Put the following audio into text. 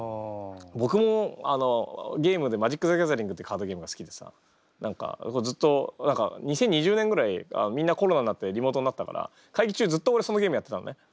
僕もゲームで「マジック：ザ・ギャザリング」ってカードゲームが好きでさ何かずっと２０２０年ぐらいみんなコロナになってリモートになったから会議中ずっと俺そのゲームやってたのね。